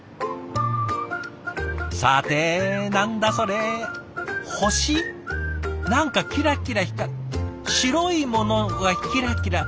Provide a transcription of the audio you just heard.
さて何だそれ星？何かキラキラ白いものがキラキラ。